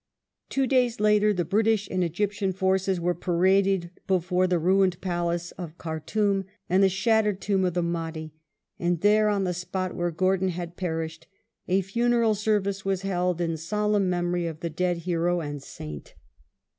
Two days later the British and Egyptian forces were paraded before the ruined Palace of Khartoum, and the shattered tomb of the Mahdi, and there, on the spot where Gordon had perished, a funeral service was held in solemn memory of the dead hero and saint.